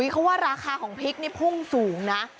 เขาว่าราคาของพริกนี่พุ่งสูงนะ